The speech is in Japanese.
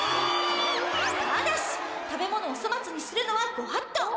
ただし食べ物をそまつにするのはごはっと！